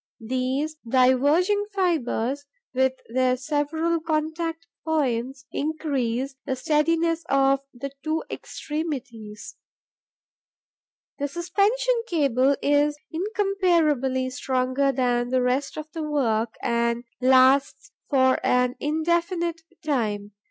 These diverging fibres, with their several contact points, increase the steadiness of the two extremities. The suspension cable is incomparably stronger than the rest of the work and lasts for an indefinite time.